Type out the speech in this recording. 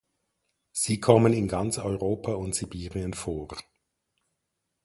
Sie kommen in ganz Europa und Sibirien vor.